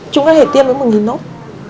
chúng ta có thể tiêm với một nốt